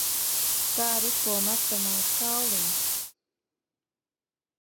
Tā ripo metamais kauliņš.